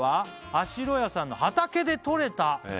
「あしろやさんの畑でとれた」